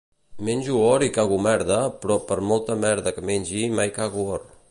Menjo or i cago merda però per molta merda que mengi mai cago or